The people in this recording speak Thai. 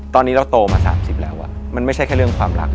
ตอนนี้เราโตมา๓๐แล้วมันไม่ใช่แค่เรื่องความรัก